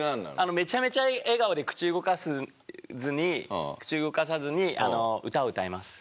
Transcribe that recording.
めちゃめちゃ笑顔で口動かさずに口動かさずに歌を歌います。